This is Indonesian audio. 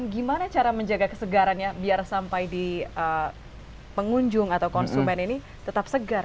gimana cara menjaga kesegarannya biar sampai di pengunjung atau konsumen ini tetap segar